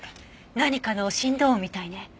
何かの振動音みたいね。